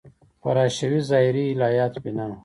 پر حشوي – ظاهري الهیاتو بنا و.